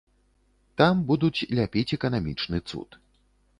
Там будуць ляпіць эканамічны цуд.